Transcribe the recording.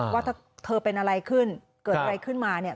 ว่าถ้าเธอเป็นอะไรขึ้นเกิดอะไรขึ้นมาเนี่ย